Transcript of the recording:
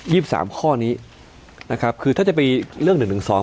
สิบสามข้อนี้นะครับคือถ้าจะไปเรื่องหนึ่งหนึ่งสอง